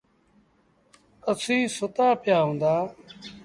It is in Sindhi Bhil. اسيٚݩ سُتآ پيٚآ هوندآ۔